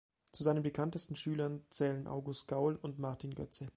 Zu seinen bekanntesten Schülern zählen August Gaul und Martin Götze.